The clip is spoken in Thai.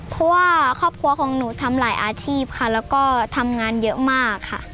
เพราะว่าครอบครัวของหนูทำหลายอาชีพค่ะแล้วก็ทำงานเยอะมากค่ะ